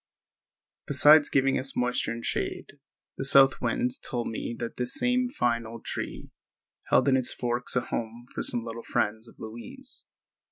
Besides giving us moisture and shade, the south wind told me that this same fine old tree held in its forks a home for some little friends of Louise.